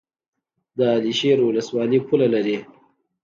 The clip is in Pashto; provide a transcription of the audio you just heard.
د علي شیر ولسوالۍ پوله لري